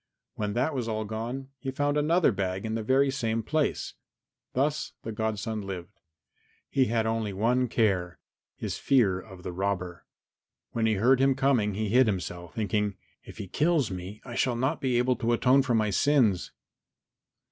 When that was all gone he found another bag in the very same place. Thus the godson lived. He had only one care his fear of the robber. When he heard him coming he hid himself, thinking, "If he kills me I shall not be able to atone for my sins."